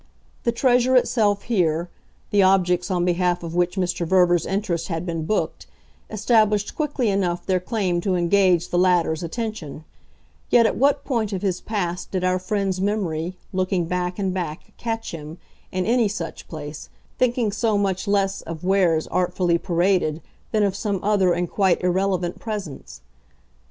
The treasure itself here, the objects on behalf of which Mr. Verver's interest had been booked, established quickly enough their claim to engage the latter's attention; yet at what point of his past did our friend's memory, looking back and back, catch him, in any such place, thinking so much less of wares artfully paraded than of some other and quite irrelevant presence?